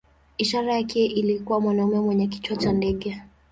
Ishara yake ilikuwa mwanamume mwenye kichwa cha ndege.